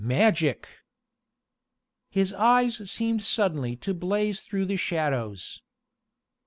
Magic!" His eyes seemed suddenly to blaze through the shadows.